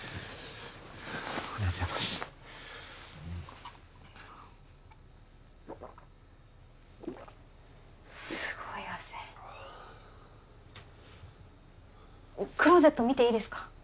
ありがとうございますすごい汗クローゼット見ていいですか？